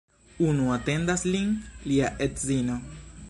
Unu atendas lin, lia edzino.